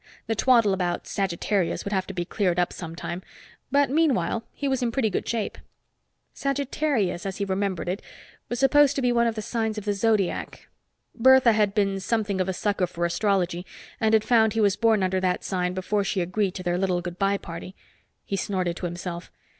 The twaddle about Sagittarius would have to be cleared up sometime, but meanwhile he was in pretty good shape. Sagittarius, as he remembered it, was supposed to be one of the signs of the Zodiac. Bertha had been something of a sucker for astrology and had found he was born under that sign before she agreed to their little good by party. He snorted to himself.